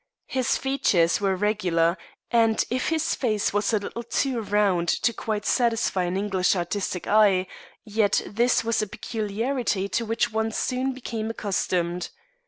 His features were regular, and if his face was a little too round to quite satisfy an English artistic eye, yet this was a peculiarity to which one soon became accustomed.